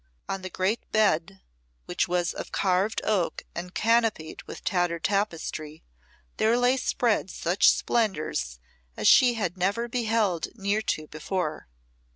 On the great bed, which was of carved oak and canopied with tattered tapestry, there lay spread such splendours as she had never beheld near to before.